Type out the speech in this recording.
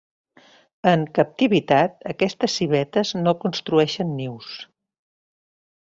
En captivitat, aquestes civetes no construeixen nius.